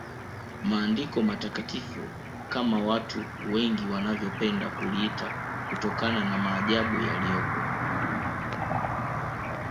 Maandiko Matakatifu kama watu wengi wanavyopenda kuliita kutokana na maajabu yaliyopo